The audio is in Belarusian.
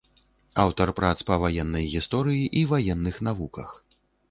Аўтар прац па ваеннай гісторыі і ваенных навуках.